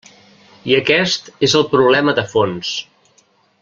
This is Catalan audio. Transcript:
I aquest és el problema de fons.